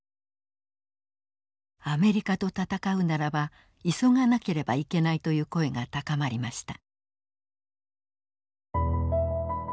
アメリカと戦うならば急がなければいけないという声が高まりました。